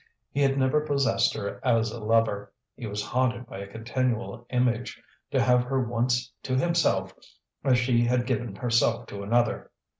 He had never possessed her as a lover; he was haunted by a continual image, to have her once to himself as she had given herself to another.